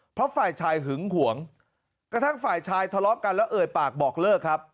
เพราะฝ่ายชายหึงหวงกระทั่งฝ่ายชายทะเลาะกันแล้วเอ่ยปากบอกเลิกครับ